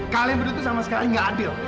kalian berdua tuh sama sekali nggak adil